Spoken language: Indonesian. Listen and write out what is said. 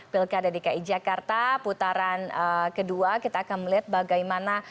pilkada dki jakarta putaran kedua kita akan melihat bagaimana